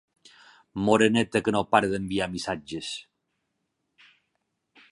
Moreneta que no para d'enviar missatges!